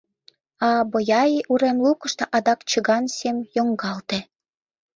А Бояи урем лукышто адак чыган сем йоҥгалте.